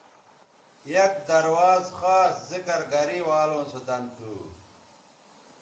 یک درواز خاص ذکر گرےوالوں سو دن تھو